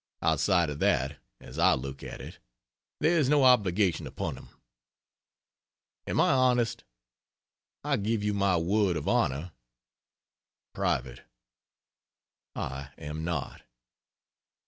Outside of that, as I look at it, there is no obligation upon him. Am I honest? I give you my word of honor (private) I am not.